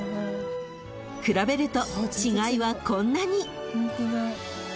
［比べると違いはこんなに］